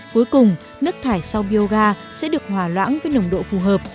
cuối cùng nước thải sau bioga sẽ được hòa loãng với nồng độ phù hợp